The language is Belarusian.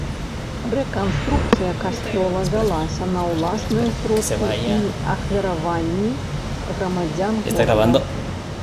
Рэканструкцыя касцёла вялася на ўласныя сродкі і ахвяраванні грамадзян горада.